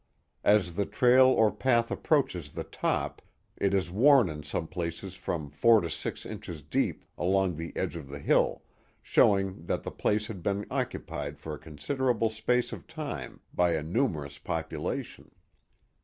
As the trail or path approaches the top, it is worn in some places from four to six inches deep along the edge of the hill, showing that the place had been occupied for a considerable space of time by a numerous population.